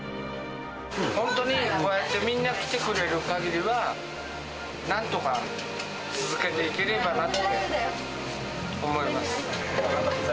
本当に、こうやってみんな来てくれるかぎりは、なんとか続けていければなって思います。